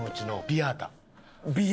ビアータ？